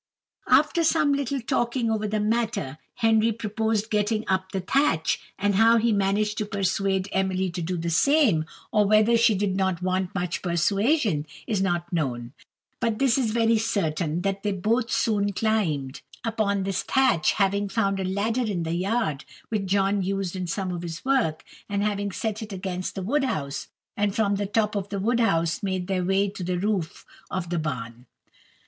After some little talking over the matter, Henry proposed getting up the thatch; and how he managed to persuade Emily to do the same, or whether she did not want much persuasion, is not known; but this is very certain, that they both soon climbed upon this thatch, having found a ladder in the yard, which John used in some of his work, and having set it against the wood house, and from the top of the wood house made their way to the roof of the barn.